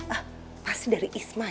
ah pasti dari isma